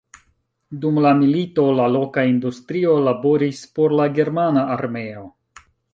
Dum la milito, la loka industrio laboris por la germana armeo.